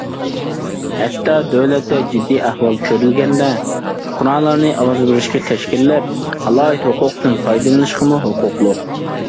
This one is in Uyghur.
ھەتتا دۆلەتتە جىددىي ئەھۋال كۆرۈلگەندە، پۇقرالارنى ئاۋاز بېرىشكە تەشكىللەپ ئالاھىدە ھوقۇقتىن پايدىلىنىشقىمۇ ھوقۇقلۇق.